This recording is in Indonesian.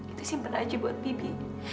itu simpen aja buat bibi